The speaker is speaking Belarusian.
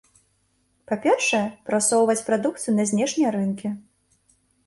Па-першае, прасоўваць прадукцыю на знешнія рынкі.